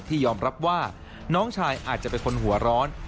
ยอมรับว่าน้องชายอาจจะเป็นคนหัวร้อน